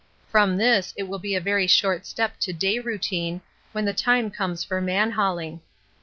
From this it will be a very short step to day routine when the time comes for man hauling.